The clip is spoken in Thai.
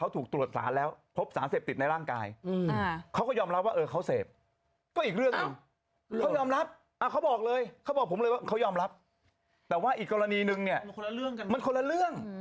แต่ว่าอีกกรณีนึงมันคนละเรื่อง